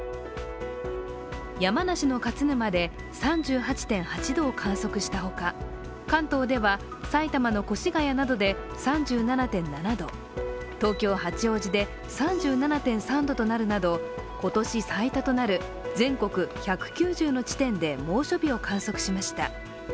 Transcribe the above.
山梨の勝沼で３８．８度を観測したほか、関東では埼玉の越谷などで３７．７度東京・八王子で３７．３度となるなど今年最多となる全国１９０の地点で猛暑日を観測しました。